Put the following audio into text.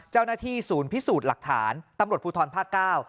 เจ้าหน้าที่ศูนย์พิสูจน์หลักฐานตำรวจภูทรภาคเก้า